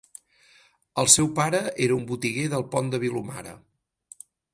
El seu pare era un botiguer del Pont de Vilomara.